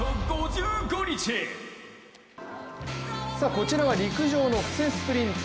こちらは陸上の布勢スプリント。